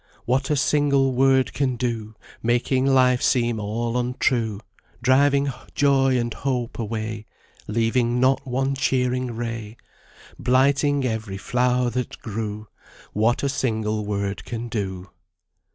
'What a single word can do! Making life seem all untrue, Driving joy and hope away, Leaving not one cheering ray Blighting every flower that grew What a single word can do!'"